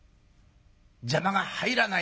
邪魔が入らない